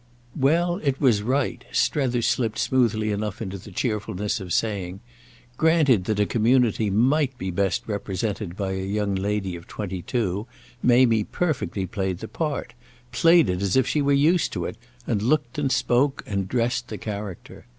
Well, it was right, Strether slipped smoothly enough into the cheerfulness of saying: granted that a community might be best represented by a young lady of twenty two, Mamie perfectly played the part, played it as if she were used to it, and looked and spoke and dressed the character.